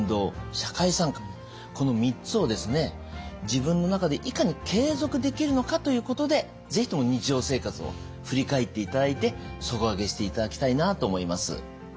自分の中でいかに継続できるのかということで是非とも日常生活を振り返っていただいて底上げしていただきたいなと思います。